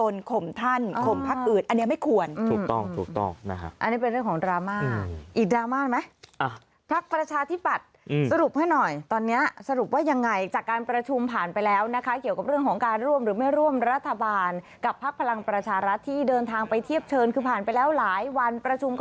แล้วไปยกตนข่มท่านข่มภักดิ์อื่น